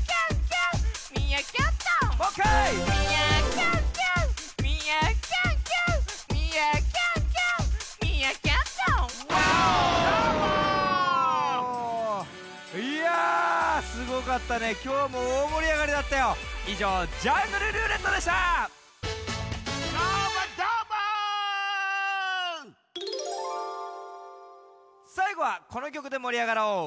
さいごはこのきょくでもりあがろう。